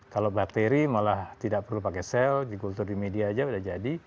kalau bakteri malah tidak perlu pakai sel di kultur di media aja udah jadi